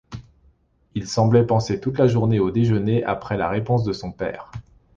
Il semblait penser toute la journée au déjeuner après la réponse de son père.